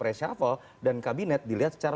reshuffle dan kabinet dilihat secara